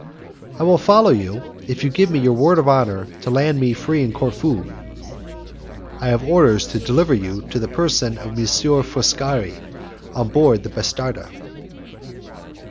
"I will follow you, if you will give me your word of honour to land me free in Corfu." "I have orders to deliver your person to M. Foscari, on board the bastarda."